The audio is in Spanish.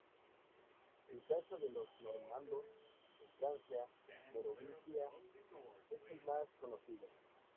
El caso de los normandos en Francia merovingia es el más conocido.